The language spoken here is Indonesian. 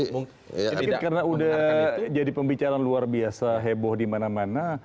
mungkin karena udah jadi pembicaraan luar biasa heboh di mana mana